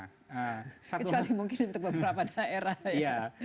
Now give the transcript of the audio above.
kecuali mungkin untuk beberapa daerah ya